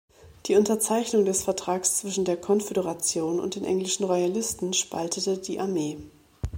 Die Unterzeichnung des Vertrags zwischen der Konföderation und den englischen Royalisten spaltete die Armee.